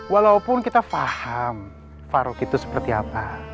walaupun kita paham farouk itu seperti apa